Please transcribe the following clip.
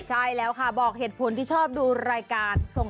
ใช่แล้วค่ะบอกเหตุผลที่ชอบดูรายการส่ง